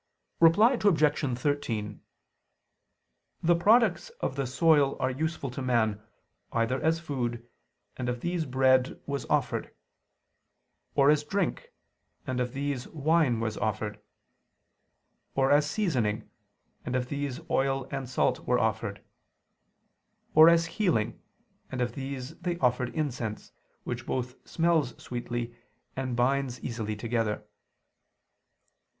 Reply Obj. 13: The products of the soil are useful to man, either as food, and of these bread was offered; or as drink, and of these wine was offered; or as seasoning, and of these oil and salt were offered; or as healing, and of these they offered incense, which both smells sweetly and binds easily together.